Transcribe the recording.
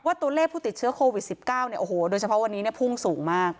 ว่าตัวเลขผู้ติดเชื้อโควิดสิบเก้าเนี่ยโอ้โหโดยเฉพาะวันนี้เนี่ยพุ่งสูงมาก